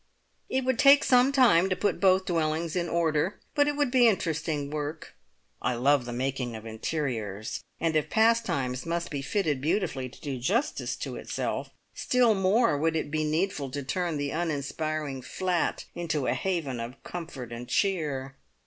It would take some time to put both dwellings in order, but it would be interesting work. I love the making of interiors, and if Pastimes must be fitted beautifully to do justice to itself, still more would it be needful to turn the uninspiring "flat" into a haven of comfort and cheer.